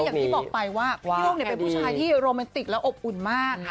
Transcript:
อย่างที่บอกไปว่าพี่โอ่งเป็นผู้ชายที่โรแมนติกและอบอุ่นมาก